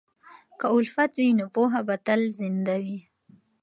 که الفت وي، نو پوهه به تل زنده وي.